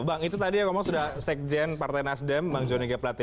bang itu tadi yang ngomong sekjen partai nasdem bang joni keplate